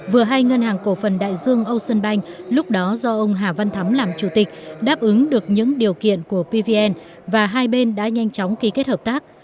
vừa hai ngân hàng cổ phần đại dương ocean bank lúc đó do ông hà văn thắm làm chủ tịch đáp ứng được những điều kiện của pvn và hai bên đã nhanh chóng ký kết hợp tác